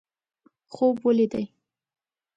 خوب ولیدي.